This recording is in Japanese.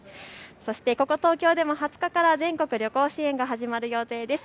ここ東京でも２０日から全国旅行支援が始まる予定です。